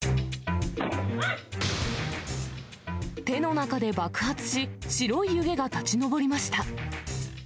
手の中で爆発し、白い湯気が立ち上りました。